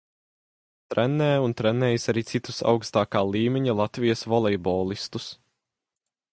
Trenē un trenējis arī citus augstākā līmeņa Latvijas volejbolistus.